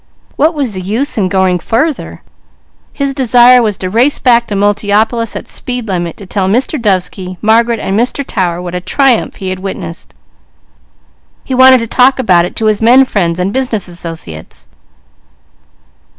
What was the use in going farther? His desire was to race back to Multiopolis at speed limit to tell Mr. Dovesky, Margaret, and Mr. Tower what a triumph he had witnessed. He wanted to talk about it to his men friends and business associates.